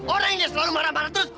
orang yang selalu marah marah terus